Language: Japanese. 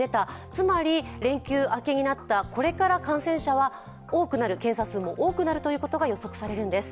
つまり連休明けになったこれから感染者は多くなる、検査数も多くなるということが予測されるんです。